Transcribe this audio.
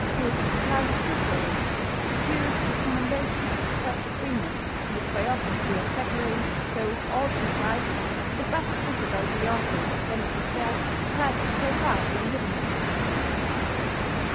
His "Life of Cicero" secured the commendation of Professor Freeman, and his biography of Thackeray, though all too slight, is the best book about the author of "Vanity Fair" that has so far been given us.